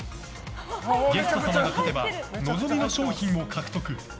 ゲスト様が勝てば望みの賞品を獲得。